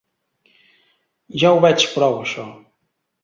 Ja ho veig prou, això.